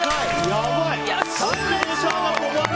やばい。